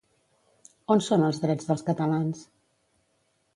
On són els drets dels catalans?